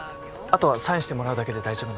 あとはサインしてもらうだけで大丈夫